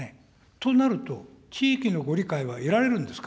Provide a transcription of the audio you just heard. となると、地域のご理解は得られるんですか。